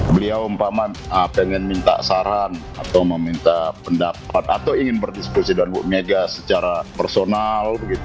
beliau umpama pengen minta saran atau meminta pendapat atau ingin berdiskusi dengan bu mega secara personal